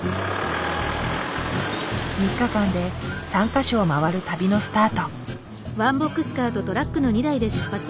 ３日間で３か所を回る旅のスタート。